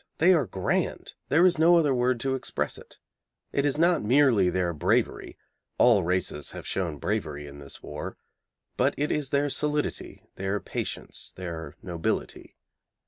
They are grand. There is no other word to express it. It is not merely their bravery. All races have shown bravery in this war. But it is their solidity, their patience, their nobility.